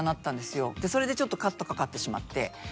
それでちょっとカットかかってしまって。